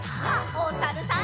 おさるさん。